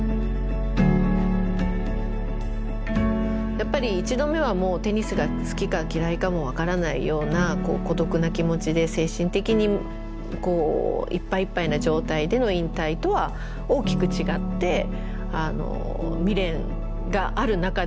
やっぱり１度目はもうテニスが好きか嫌いかも分からないような孤独な気持ちで精神的にいっぱいいっぱいな状態での引退とは大きく違って未練がある中での２回目は引退でしたね。